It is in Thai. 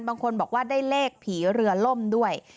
บางคนบอกว่าได้เลขผีเรือล่มด้วย